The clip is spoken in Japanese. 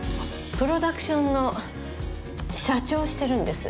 プロダクションの社長をしてるんです。